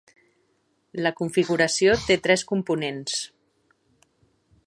La configuració té tres components.